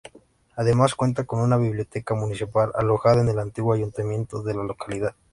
Además cuenta con una Biblioteca Municipal alojada en el antiguo ayuntamiento de la localidad.